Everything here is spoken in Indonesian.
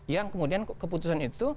yang kemudian keputusan itu